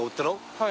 はい。